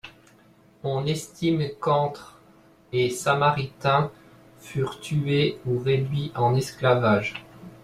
On estime qu’entre et Samaritains furent tués ou réduits en esclavage.